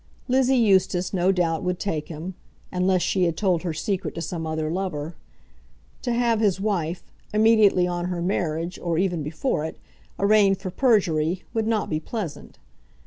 Lizzie Eustace, no doubt, would take him, unless she had told her secret to some other lover. To have his wife, immediately on her marriage, or even before it, arraigned for perjury, would not be pleasant.